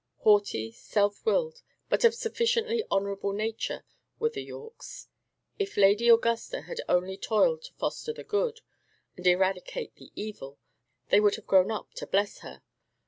Haughty, self willed, but of sufficiently honourable nature, were the Yorkes. If Lady Augusta had only toiled to foster the good, and eradicate the evil, they would have grown up to bless her.